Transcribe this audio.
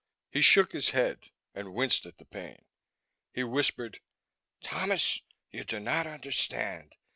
He shook his head and winced at the pain. He whispered, "Thomas, you do not understand.